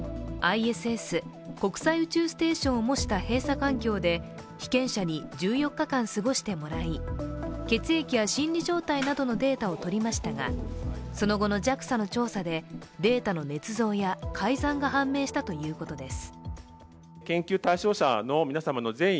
ＩＳＳ＝国際宇宙ステーションを模した閉鎖環境で被験者に１４日間過ごしてもらい、血液や心理状態などのデータをとりましたが、その後のＪＡＸＡの調査でデータのねつ造や改ざんが判明したということです。